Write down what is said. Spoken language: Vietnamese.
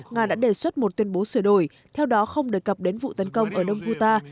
nga đã đề xuất một tuyên bố sửa đổi theo đó không đề cập đến vụ tấn công ở đông guta